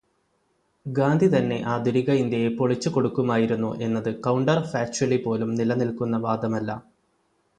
ഗാന്ധി തന്നെ ആധുനിക ഇന്ത്യയെ പൊളിച്ചു കൊടുക്കുമായിരുന്നു എന്നത് കൗണ്ടര്-ഫാച്ച്വലി പോലും നിലനില്ക്കുന്ന വാദമല്ല.